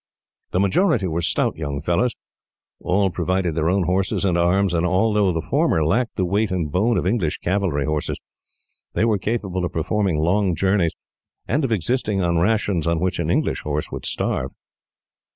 The majority were stout young fellows. All provided their own horses and arms, and although the former lacked the weight and bone of English cavalry horses, they were capable of performing long journeys, and of existing on rations on which an English horse would starve.